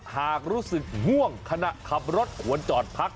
หากรู้สึกง่วงขณะขับรถควรจอดพัก